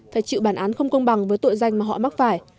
phải chịu bản án không công bằng với tội danh mà họ mắc phải